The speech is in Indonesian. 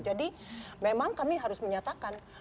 jadi memang kami harus menyatakan